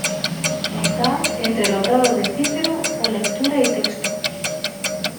Está entre los grados de Cícero o Lectura y Texto.